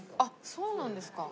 そうなんですか。